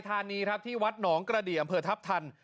ทานีครับที่วัดหนองกระเดี่ยมเผอร์ทัพทัน